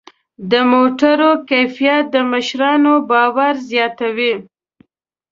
د موټرو کیفیت د مشتریانو باور زیاتوي.